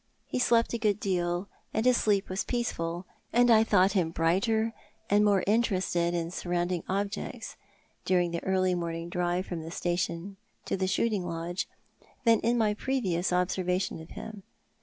He slept a good deal, and his sleep was peaceful, and I thought him brighter and more mterested in surrounding objects during the early mornmg drive from the station to the shooting lodge than in my previous observa tion of him.